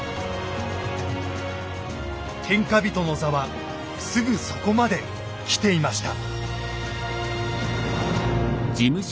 天下人の座はすぐそこまで来ていました。